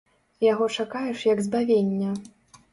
Яго чакаеш як збавення.